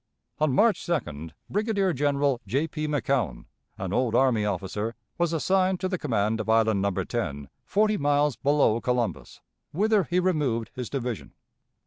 On March 2d Brigadier General J. P. McCown, an "old army" officer, was assigned to the command of Island No. 10, forty miles below Columbus, whither he removed his division.